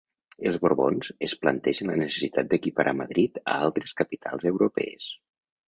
Els Borbons es plantegen la necessitat d'equiparar Madrid a altres capitals europees.